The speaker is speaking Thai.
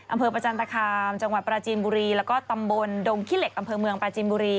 อำเภอประจันตคามจังหวัดปราจีนบุรีแล้วก็ตำบลดงขี้เหล็กอำเภอเมืองปราจินบุรี